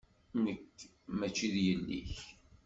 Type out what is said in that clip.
Nekk maci d yelli-k.